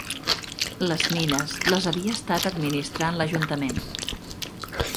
Les mines les havia estat administrant l'ajuntament.